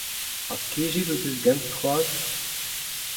Ha kejet o deus ganti c'hoazh ?